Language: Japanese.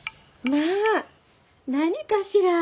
まあ何かしら。